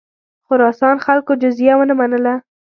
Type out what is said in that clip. خراسان خلکو جزیه ونه منله.